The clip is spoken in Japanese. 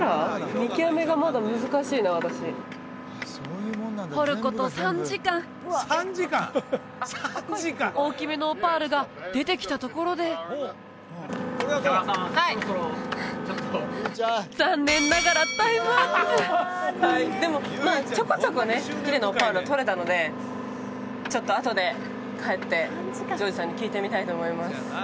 見極めがまだ難しいな私掘ること３時間大きめのオパールが出てきたところで残念ながらでもまあちょこちょこねきれいなオパールが採れたのでちょっとあとで帰ってジョージさんに聞いてみたいと思います